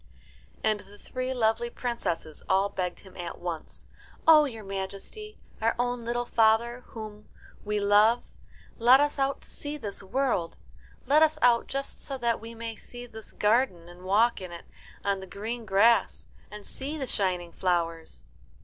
And the three lovely princesses all begged him at once, "Oh, your Majesty, our own little father, whom, we love, let us out to see this world. Let us out just so that we may see this garden, and walk in it on the green grass, and see the shining flowers."